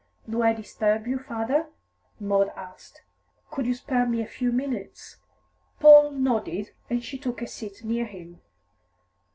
"Do I disturb you, father?" Maud asked. "Could you spare me a few minutes?" Paul nodded, and she took a seat near him.